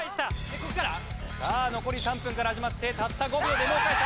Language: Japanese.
さあ残り３分から始まってたった５秒でもう返した。